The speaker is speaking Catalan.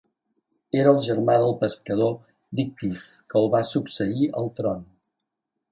Era el germà del pescador Dictys que el va succeir al tron.